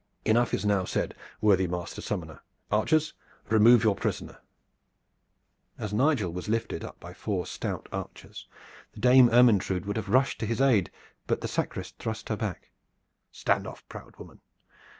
Enough is now said, worthy master summoner. Archers, remove your prisoner!" As Nigel was lifted up by four stout archers, the Dame Ermyntrude would have rushed to his aid, but the sacrist thrust her back. "Stand off, proud woman!